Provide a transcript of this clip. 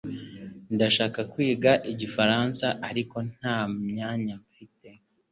Ndashaka kwiga Igifaransa ariko nta mwanya mfite